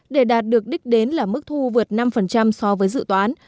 để đạt được đích đến là mức thu vượt năm so với dự toán